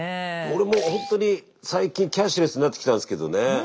俺もほんとに最近キャッシュレスになってきたんですけどね。